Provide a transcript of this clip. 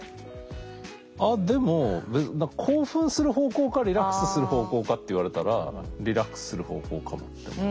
あっでも興奮する方向かリラックスする方向かって言われたらリラックスする方向かもって思う。